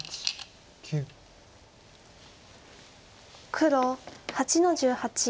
黒８の十八。